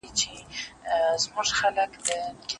څو شپې دي چي قاضي او محتسب په لار کي وینم